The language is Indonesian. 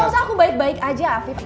gak usah aku baik baik aja afif